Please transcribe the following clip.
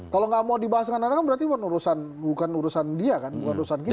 kalau nggak mau dibahas dengan anak kan berarti bukan urusan dia kan bukan urusan kita